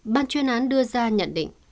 ban chuyên án đưa ra nhận định